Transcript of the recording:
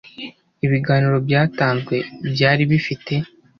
Ibiganiro byatanzwe byari bifite